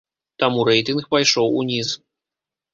Таму рэйтынг пайшоў уніз.